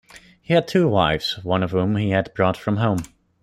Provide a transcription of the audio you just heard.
He had two wives, one of whom he had brought from home.